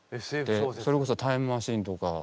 それこそタイムマシーンとか。